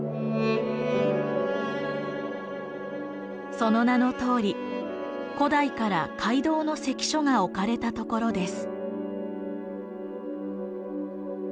その名のとおり古代から街道の関所が置かれたところです。